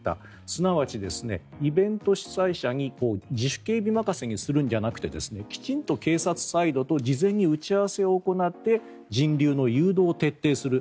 すなわちイベント主催者に自主警備任せにするんじゃなくてきちんと警察サイドと事前に打ち合わせを行って人流の誘導を徹底する。